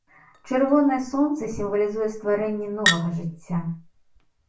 Чырвонае сонца сімвалізуе стварэнне новага жыцця.